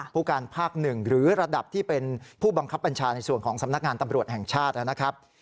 ผู้การภาค๑หรือระดับที่เป็นผู้บังคับบัญชาในส่วนของสำนักงานตำรวจแห่งชาตินะครับ